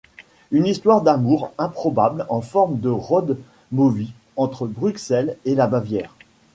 Une histoire d'amour improbable en forme de road-movie entre Bruxelles et la Bavière.